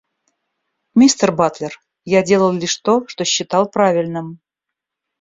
Мистер Батлер, я делал лишь то, что считал правильным.